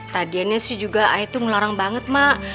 tadinya sih juga saya tuh ngelarang banget mak